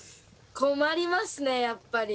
困りますねやっぱり。